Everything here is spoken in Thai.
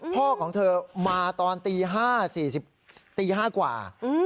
พ่อของเธอมาตอนตี๕ตี๕กว่า